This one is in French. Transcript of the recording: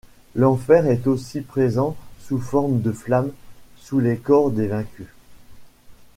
L'Enfer est aussi présent sous forme de flammes sous les corps des vaincus.